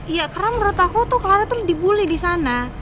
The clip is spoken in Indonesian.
ya karena menurut aku tuh clara tuh dibully di sana